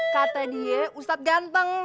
kata dia ustadz ganteng